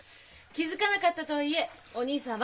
気付かなかったとはいえお義兄さん